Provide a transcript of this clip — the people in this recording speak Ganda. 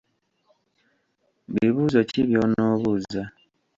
Bibuuzo ki by’onoobuuza?